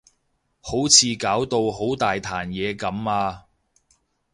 好似搞到好大壇嘢噉啊